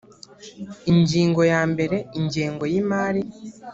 ingingo ya mbere ingengo y imari